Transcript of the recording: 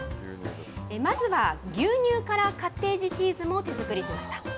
まずは牛乳からカッテージチーズも手作りしました。